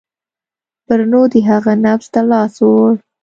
برونو د هغه نبض ته لاس ووړ.